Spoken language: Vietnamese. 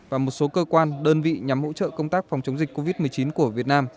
và một số cơ quan đơn vị nhằm hỗ trợ công tác phòng chống dịch covid một mươi chín của việt nam